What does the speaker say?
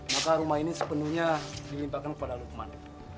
maka rumah ini sepenuhnya dilimpahkan kepada lukman